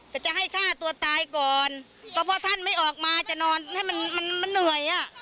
แต่จะให้ฆ่าตัวตายก่อนเพราะท่านไม่ออกมาจะนอนให้มันมันเหนื่อยอ่ะ